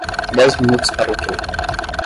Dez minutos para o que?